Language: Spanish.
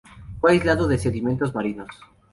Fue aislado de sedimentos marinos.